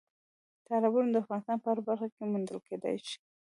تالابونه د افغانستان په هره برخه کې موندل کېدای شي.